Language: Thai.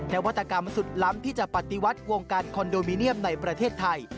นวัตกรรมสุดล้ำที่จะปฏิวัติวงการคอนโดมิเนียมในประเทศไทย